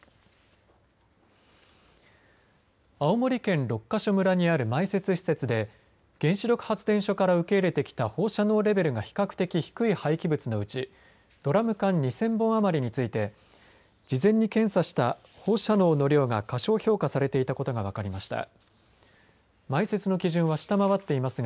青森県六ヶ所村にある埋設施設で原子力発電所から受け入れてきた放射能レベルが比較的低い廃棄物後ドラム缶２０００本余りについて事前に検査した放射能の量が過小評価されていたことが分かりました。